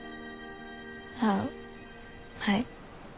ああはい。